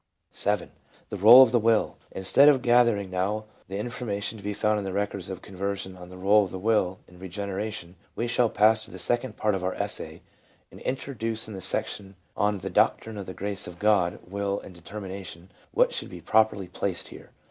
7. The Bole of the Will. Instead of gathering now the information to be found in the records of conversion on the role of the will in regeneration, we shall pass to the second part of our essay and introduce in the section on " The Doctrine of the Grace of God, Will and Determin ism," what should be properly placed here.